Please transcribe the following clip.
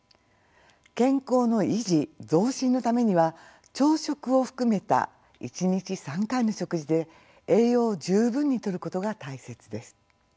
健康の維持・増進のためには朝食を含めた一日３回の食事で栄養を十分にとることが大切です。